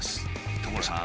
所さん！